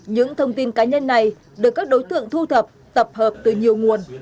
những thông tin cá nhân này được các đối tượng thu thập tập hợp từ nhiều nguồn